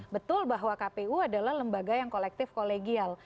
betul bahwa kpu adalah lembaga yang kolektif kolegial